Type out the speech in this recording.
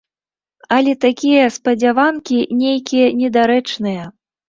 Але такія спадзяванкі нейкія недарэчныя.